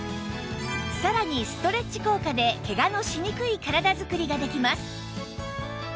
さらにストレッチ効果でケガのしにくい体作りができます